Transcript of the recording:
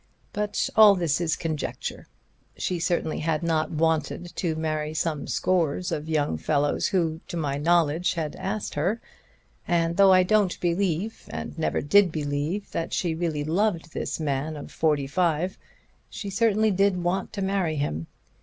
But all this is conjecture. She certainly had not wanted to marry some scores of young fellows who, to my knowledge, had asked her; and though I don't believe, and never did believe, that she really loved this man of forty five, she certainly did want to marry him.